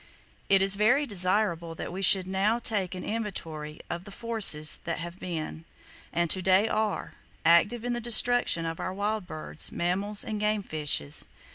It is very desirable that we should now take an inventory of the forces that have been, and to day are, active in the destruction of our wild birds, mammals, and game fishes.